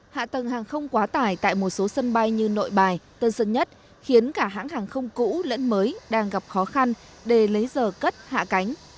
hạ tầng hàng không quá tải tại một số sân bay như nội bài tân sơn nhất khiến cả hãng hàng không cũ lẫn mới đang gặp khó khăn để lấy giờ cất hạ cánh